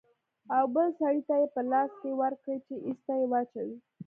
او بل سړي ته يې په لاس کښې ورکړې چې ايسته يې واچوي.